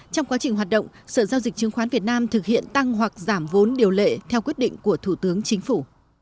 trong quá trình hoạt động sở giao dịch chứng khoán việt nam thực hiện tăng hoặc giảm vốn điều lệ theo quyết định của thủ tướng chính phủ